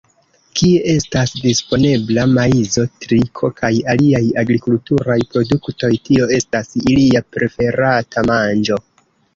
Kie estas disponebla, maizo, tritiko kaj aliaj agrikulturaj produktoj, tio estas ilia preferata manĝo.